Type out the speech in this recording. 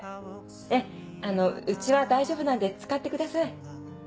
ええうちは大丈夫なんで使ってください。